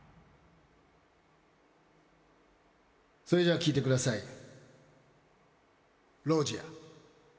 それじゃあ聴いてください。